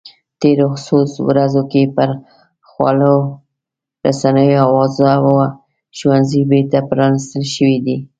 تېرو څو ورځو کې پر خواله رسنیو اوازه وه ښوونځي بېرته پرانیستل شوي دي